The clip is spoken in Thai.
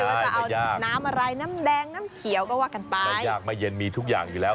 แล้วจะเอาน้ำอะไรน้ำแดงน้ำเขียวก็ว่ากันไปยากมาเย็นมีทุกอย่างอยู่แล้ว